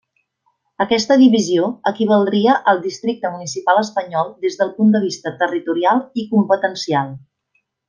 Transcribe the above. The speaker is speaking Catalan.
Aquesta divisió equivaldria al districte municipal espanyol des del punt de vista territorial i competencial.